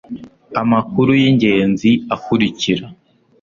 amakuru y ingenzi akurikira